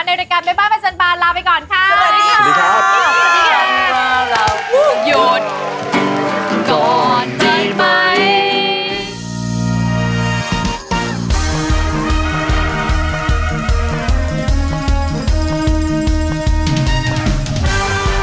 รายการแม่บ้านประจำบานลาไปก่อนค่ะสวัสดีค่ะ